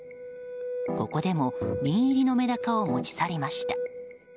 ここでも瓶入りのメダカを持ち去りました。